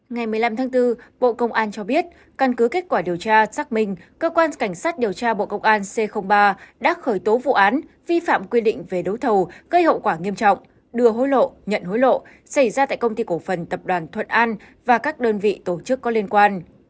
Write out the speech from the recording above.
ngày một mươi năm tháng bốn bộ công an cho biết căn cứ kết quả điều tra xác minh cơ quan cảnh sát điều tra bộ công an c ba đã khởi tố vụ án vi phạm quy định về đấu thầu gây hậu quả nghiêm trọng đưa hối lộ nhận hối lộ xảy ra tại công ty cổ phần tập đoàn thuận an và các đơn vị tổ chức có liên quan